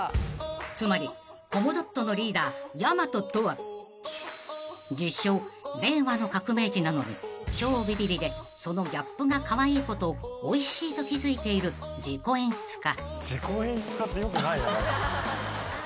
［つまりコムドットのリーダーやまととは自称令和の革命児なのに超ビビりでそのギャップがカワイイことをおいしいと気付いている自己演出家］